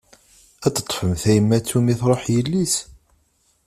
Ad teṭfem tayemmat umi truḥ yelli-s?